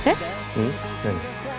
うん？何？